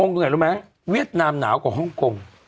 งงไงรู้มั้ยเวียดนามหนาวกว่าฮ่องกง